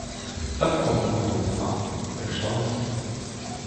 Так поминула зима, прийшла весна.